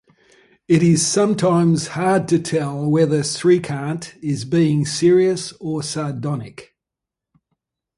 It is sometimes hard to tell whether Srikant is being serious or sardonic.